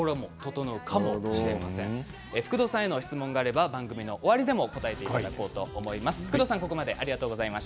福土さんへの質問があれば番組の終わりでもお答えいただこうと思います。